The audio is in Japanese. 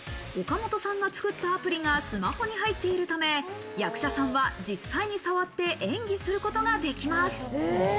岡本さんが作ったアプリがスマホに入っているため、役者さんは実際に触って演技することができます。